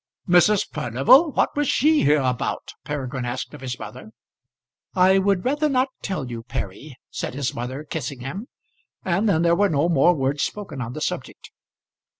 "Mrs. Furnival! What was she here about?" Peregrine asked of his mother. "I would rather not tell you, Perry," said his mother, kissing him; and then there were no more words spoken on the subject.